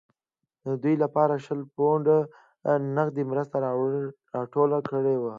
دوی لپاره شل پونډه نغدي مرسته راټوله کړې وه.